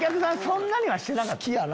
そんなにはしてなかった。